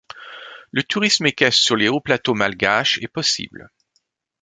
Le tourisme équestre sur les hauts plateaux malgaches est possible.